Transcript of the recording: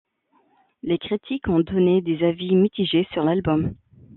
Les critiques ont donné des avis mitigés sur l'album.